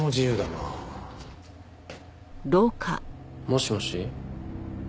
もしもし。